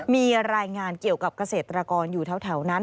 มีรายงานเกี่ยวกับเกษตรกรอยู่แถวนั้น